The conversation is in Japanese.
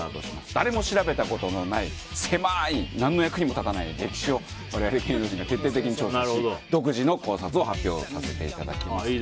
誰も調べたことのない狭い何の役にも立たない歴史を我々、研究員が徹底的に調査し独自の考察を発表します。